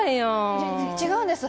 いや違うんです。